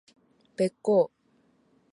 べっ甲